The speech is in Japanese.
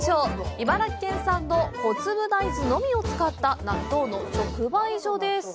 茨城県産の小粒大豆のみを使った納豆の直売所です。